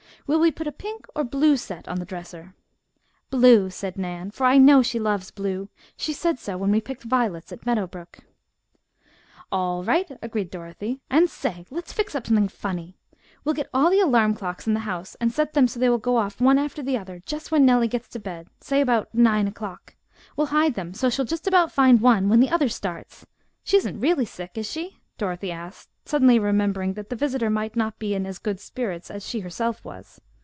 Will we put a pink or blue set on the dresser?" "Blue," said Nan, "for I know she loves blue. She said so when we picked violets at Meadow Brook." "All right," agreed Dorothy. "And say! Let's fix up something funny! We'll get all the alarm clocks in the house and set them so they will go off one after the other, just when Nellie gets to bed, say about nine o'clock. We'll hide them so she will just about find one when the other starts! She isn't really sick, is she?" Dorothy asked, suddenly remembering that the visitor might not be in as good spirits as she herself was.